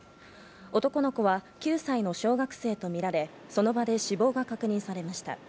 男の子は９歳の小学生とみられ、その場で死亡が確認されました。